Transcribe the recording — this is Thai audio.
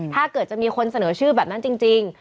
ถ้าเกิดจะมีคนเสนอชื่อแบบนั้นจริง